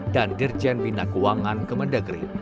dan dirjen bina keuangan kemendegeri